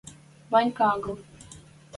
— Ванька агыл...